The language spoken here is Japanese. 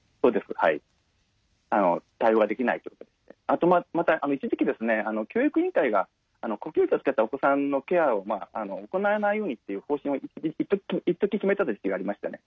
あと一時期ですね教育委員会が呼吸器をつけたお子さんのケアを行わないようにっていう方針をいっとき決めたという時期がありましてね